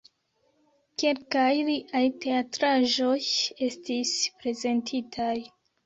Kelkaj liaj teatraĵoj estis prezentitaj.